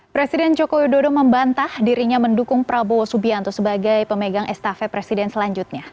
presiden joko widodo membantah dirinya mendukung prabowo subianto sebagai pemegang estafet presiden selanjutnya